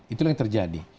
itulah yang terjadi